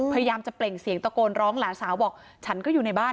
พยายามจะเปล่งเสียงตะโกนร้องหลานสาวบอกฉันก็อยู่ในบ้าน